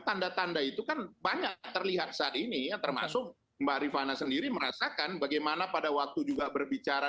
saat ini yang termasuk mbak rifana sendiri merasakan bagaimana pada waktu juga berbicara